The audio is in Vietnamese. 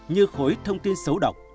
như khối thông tin xấu độc